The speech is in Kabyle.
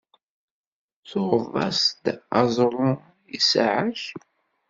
Tuɣeḍ-as-d aẓru i ssaɛa-k?